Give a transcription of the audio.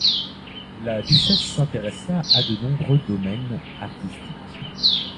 La duchesse s'intéressa à de nombreux domaines artistiques.